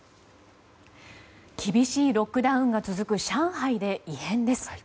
厳しいロックダウンが続く上海で異変です。